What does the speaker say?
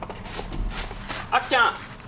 あきちゃん